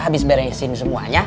habis beresin semuanya